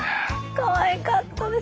かわいかったです。